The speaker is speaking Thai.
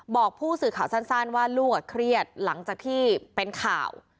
บอกผู้สื่อข่าวสั้นว่าลูกเครียดหลังจากที่เป็นข่าว